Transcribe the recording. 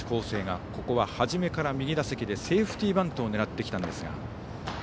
生が初めから右打席でセーフティーバントを狙ってきたんですが。